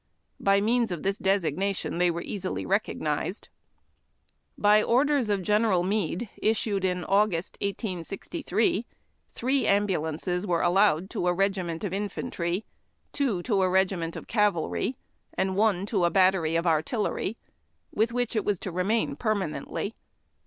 By means of this designation they were easily recognized. By orders of General Meade, issued in August, 1863, three ambulances were allowed to a regiment of infantrj^ ; two to a regiment of cavalry, and one to a battery of artil lery, with which it was to remain permanently.